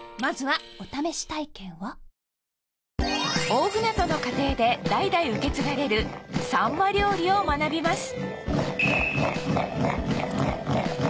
大船渡の家庭で代々受け継がれるさんま料理を学びます